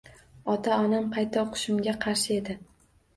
Ota-onam qayta o’qishimga qarshi edi.